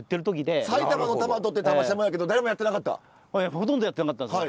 ほとんどやってなかったんですよ。